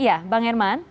ya bang herman